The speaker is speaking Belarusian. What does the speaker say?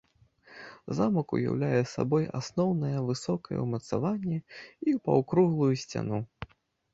Замак уяўляе сабой асноўнае высокае ўмацаванне, і паўкруглую сцяну.